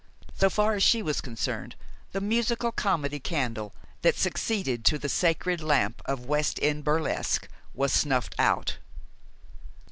So far as she was concerned, the musical comedy candle that succeeded to the sacred lamp of West End burlesque was snuffed out.